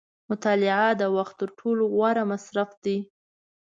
• مطالعه د وخت تر ټولو غوره مصرف دی.